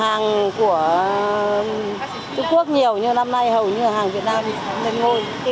hàng của trung quốc nhiều nhưng năm nay hầu như hàng việt nam đều ngồi